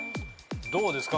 どうですか？